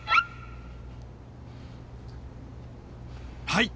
［はい。